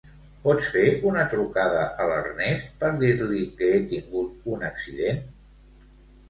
Pots fer una trucada a l'Ernest per dir-li que he tingut un accident?